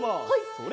それ！